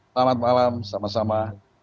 selamat malam sama sama